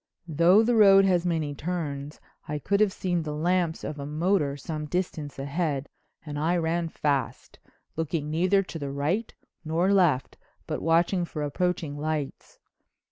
Though the road has many turns I could have seen the lamps of a motor some distance ahead and I ran fast, looking neither to the right nor left but watching for approaching lights.